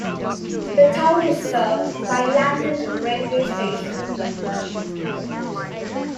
The town is served by Landen railway station.